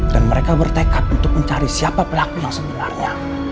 dan mereka bertekad untuk mencari siapa pelaku yang sebenarnya